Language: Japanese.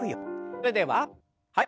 それでははい。